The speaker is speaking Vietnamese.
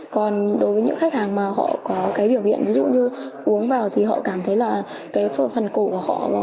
còn đối với những khách hàng mà họ có cái biểu hiện ví dụ như uống vào thì họ cảm thấy là cái phần cổ của họ